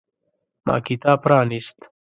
ما کتاب پرانیست.